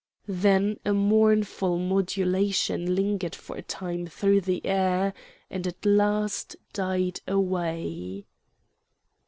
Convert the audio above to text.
Then a mournful modulation lingered for a time through the air and at last died away.